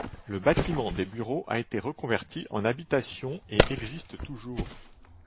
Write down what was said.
Le bâtiment des bureaux a été reconverti en habitation et existe toujours.